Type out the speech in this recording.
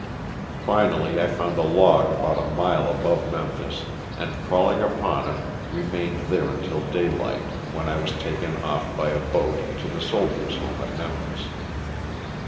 Finally I found a log about a mile above Memphis and crawling upon it remained there until daylight, when I was taken off by a boat to the Soldiers' Home at Memphis.